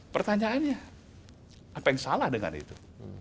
pertanyaannya apa yang salah dengan itu